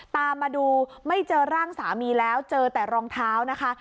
ตามมาดูไม่เจอร่างสามีแล้วเจอแต่รองเท้านะคะ